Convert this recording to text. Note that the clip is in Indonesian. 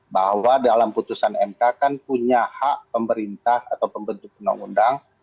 bahwa dalam putusan mk kan punya hak pemerintah atau pembentuk undang undang